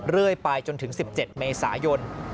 เรื่อยไปจนถึง๑๗เมษายน